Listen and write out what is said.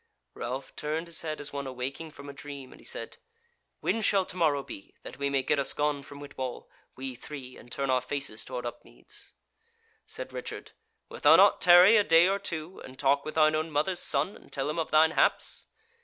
Ralph turned his head as one awaking from a dream, and he said: "When shall to morrow be, that we may get us gone from Whitwall, we three, and turn our faces toward Upmeads?" Said Richard: "Wilt thou not tarry a day or two, and talk with thine own mother's son and tell him of thine haps?"